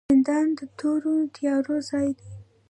زندان د تورو تیارو ځای دی